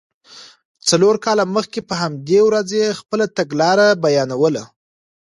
څلور کاله مخکې په همدې ورځ یې خپله تګلاره بیانوله.